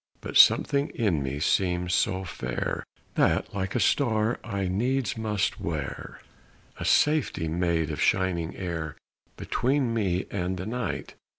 But something in me seems so fair, That like a star I needs must wear A safety made of shining air Between me and the night.